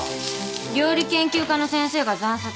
料理研究家の先生が惨殺。